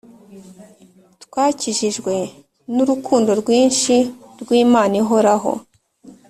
twakikijwe nu rukundo rwinshi rwi imana ihoraho